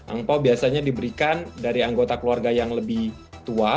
angpao biasanya diberikan dari anggota keluarga yang lebih tua